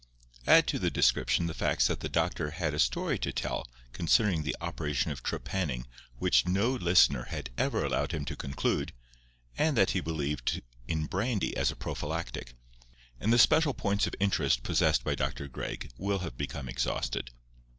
Add to the description the facts that the doctor had a story to tell concerning the operation of trepanning which no listener had ever allowed him to conclude, and that he believed in brandy as a prophylactic; and the special points of interest possessed by Dr. Gregg will have become exhausted.